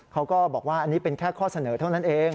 เขาก็บอกว่าอันนี้เป็นแค่ข้อเสนอเท่านั้นเอง